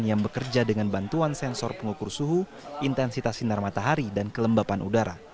yang bekerja dengan bantuan sensor pengukur suhu intensitas sinar matahari dan kelembapan udara